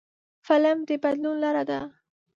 فلم د بدلون لاره ده